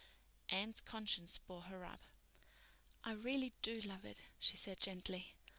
Anne's conscience bore her up. "I really do love it," she said gently.